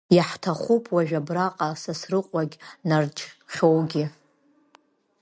Иаҳҭахуп, уажә абраҟа, сасрыҟәагь, Нарџьхьоугьы.